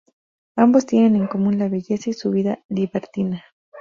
Ambos tienen en común la belleza y su vida libertina.